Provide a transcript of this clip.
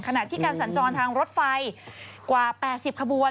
ขณะที่การสัญจรทางรถไฟกว่า๘๐ขบวน